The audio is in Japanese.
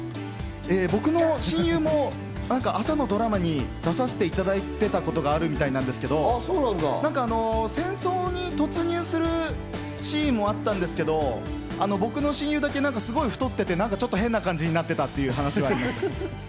僕の親友も朝のドラマに出させていただいていたことがあるみたいなんですけど、戦争に突入するシーンもあったんですけど、僕の親友だけ太ってて変な感じになってたっていう話がありました。